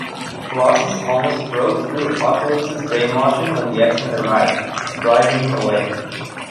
Colossus almost broke through Apocalypse's brainwashing when the X-Men arrived, driving him away.